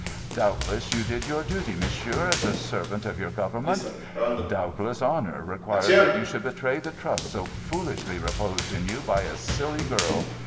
"Doubtless you did your duty, monsieur, as a servant of your Government. Doubtless honour required that you should betray the trust so foolishly reposed in you by a silly girl.